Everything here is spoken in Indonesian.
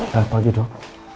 selamat pagi dok